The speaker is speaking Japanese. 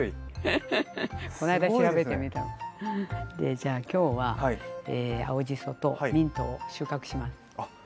じゃあ今日は青じそとミントを収獲します。